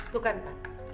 tuh kan pak